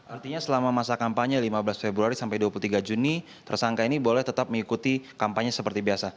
artinya selama masa kampanye lima belas februari sampai dua puluh tiga juni tersangka ini boleh tetap mengikuti kampanye seperti biasa